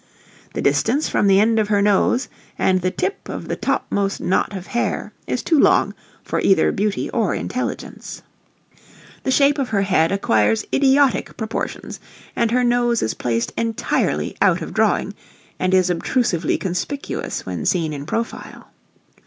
The distance from the end of her nose and the tip of the topmost knot of hair is too long for either beauty or intelligence. The shape of her head acquires idiotic proportions, and her nose is placed entirely "out of drawing" and is obtrusively conspicuous when seen in profile.